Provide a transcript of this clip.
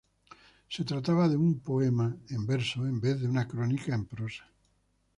Se trataba de un poema, en verso, en vez de una crónica en prosa.